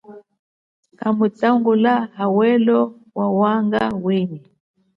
Kamutangula hawelo wawanga wenyi.